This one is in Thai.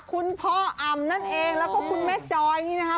คุณพ่ออำนั่นเองแล้วก็คุณแม่จอยนี่นะครับ